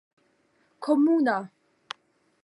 komuna